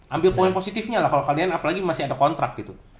ambil poin positifnya lah kalau kalian apalagi masih ada kontrak gitu